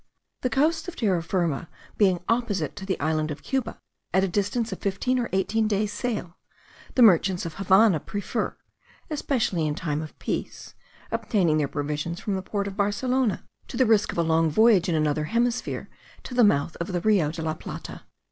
The coasts of Terra Firma being opposite to the island of Cuba, at a distance of fifteen or eighteen days' sail, the merchants of the Havannah prefer, especially in time of peace, obtaining their provision from the port of Barcelona, to the risk of a long voyage in another hemisphere to the mouth of the Rio de la Plata.